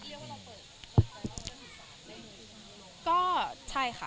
เรียกว่าเราเปิดการเรียนรู้สารได้ยังไง